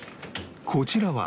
こちらは